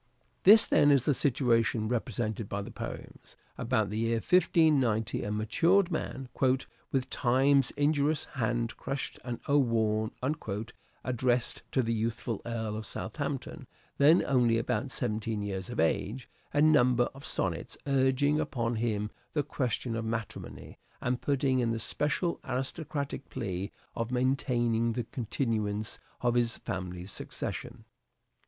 This, then, is the situation represented by the poems. About the year 1590 a matured man " With Time's injurious POETIC SELF REVELATION 443 hand crush'd and o'erworn," addressed to the youthful Earl of Southampton, then only about seventeen years of age, a number of sonnets urging upon him the question of matrimony, and putting in the specially aristocratic plea of maintaining the continuance of his family's succession.